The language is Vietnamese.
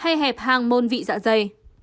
đẹp hàng môn vị dạ dày